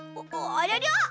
ありゃりゃ？